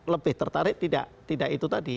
lebih tertarik tidak itu tadi